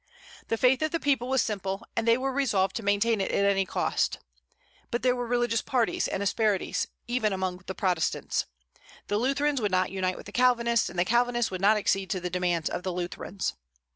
The faith of the people was simple, and they were resolved to maintain it at any cost. But there were religious parties and asperities, even among the Protestants. The Lutherans would not unite with the Calvinists, and the Calvinists would not accede to the demands of the Lutherans.